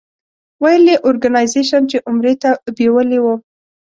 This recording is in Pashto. ویل یې اورګنایزیش چې عمرې ته بېولې وم.